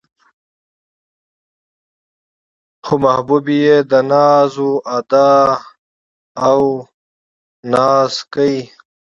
خو محبوبې يې د ناز و ادا او نازکۍ